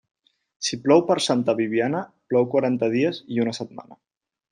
Si plou per Santa Bibiana, plou quaranta dies i una setmana.